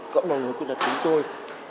cộng đồng người khuyết tật chúng tôi